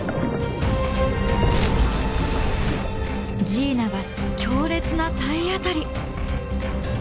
ジーナが強烈な体当たり。